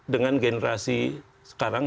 dengan generasi sekarang